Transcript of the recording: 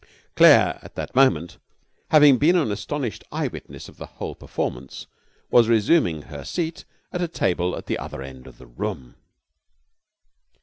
Claire at that moment, having been an astonished eye witness of the whole performance, was resuming her seat at a table at the other end of the room.